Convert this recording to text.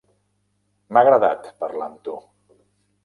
M'ha agradat parlar amb tu.